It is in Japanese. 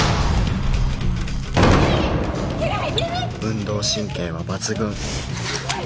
運動神経は抜群